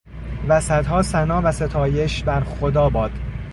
و صدها ثنا و ستایش بر خدا باد